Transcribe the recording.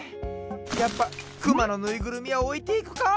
やっぱクマのぬいぐるみはおいていくか！